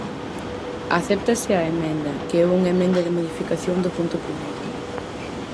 Acéptase a emenda, que é unha emenda de modificación do punto primeiro.